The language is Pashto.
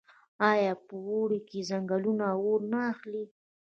آیا په اوړي کې ځنګلونه اور نه اخلي؟